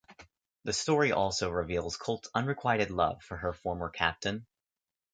The story also reveals Colt's unrequited love for her former Captain.